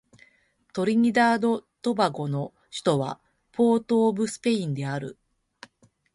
トリニダード・トバゴの首都はポートオブスペインである